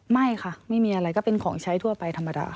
ไม่ค่ะไม่มีอะไรก็เป็นของใช้ทั่วไปธรรมดา